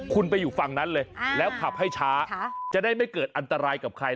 คุณไปอยู่ฝั่งนั้นเลยแล้วขับให้ช้าจะได้ไม่เกิดอันตรายกับใคร